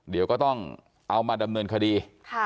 เดี๋ยวก็ต้องเอามาดำเนินคดี